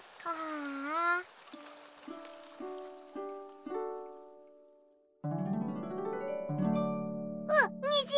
あっにじ！